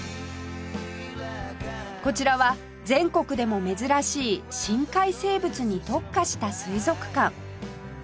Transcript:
こちらは全国でも珍しい深海生物に特化した水族館